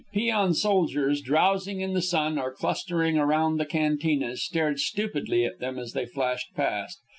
Peon soldiers, drowsing in the sun or clustering around the cantinas, stared stupidly at them as they flashed past.